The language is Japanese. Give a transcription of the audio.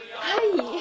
はい。